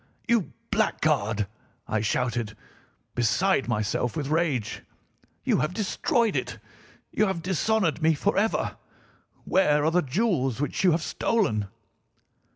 "'You blackguard!' I shouted, beside myself with rage. 'You have destroyed it! You have dishonoured me forever! Where are the jewels which you have stolen?